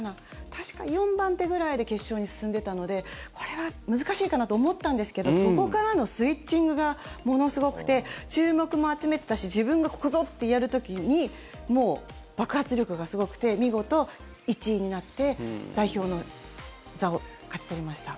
確か４番手くらいで決勝に進んでたのでこれは難しいかなと思ったんですけどそこからのスイッチングがものすごくて注目も集めてたし自分がここぞとやる時にもう爆発力がすごくて見事、１位になって代表の座を勝ち取りました。